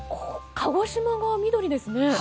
鹿児島は緑ですね。